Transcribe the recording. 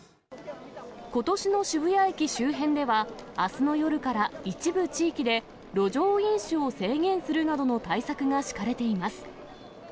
ことしの渋谷駅周辺では、あすの夜から一部地域で路上飲酒を制限するなどの対策が敷かれています。